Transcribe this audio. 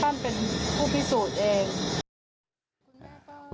แล้วก็ไม่พบ